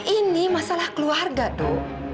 ini masalah keluarga do